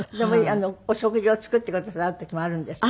お食事を作ってくださる時もあるんですって？